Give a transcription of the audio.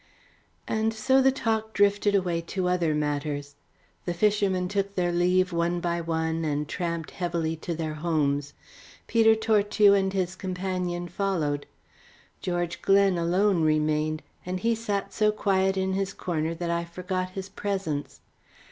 And so the talk drifted away to other matters. The fishermen took their leave one by one and tramped heavily to their homes. Peter Tortue and his companion followed. George Glen alone remained, and he sat so quiet in his corner that I forgot his presence.